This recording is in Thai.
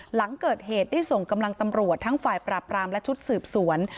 หลังเกิดเหตุได้ส่งกำลังตำรวจทั้งฝ่ายปราบรามและชุดสืบสวน